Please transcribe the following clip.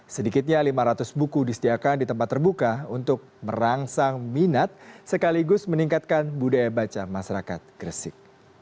sedikitnya lima ratus buku disediakan di tempat terbuka untuk merangsang minat sekaligus meningkatkan budaya baca masyarakat gresik